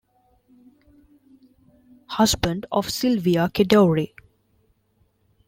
Husband of Sylvia Kedourie.